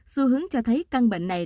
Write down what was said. xu hướng cho thấy căn bệnh này